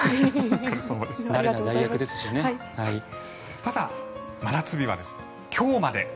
ただ、真夏日は今日まで。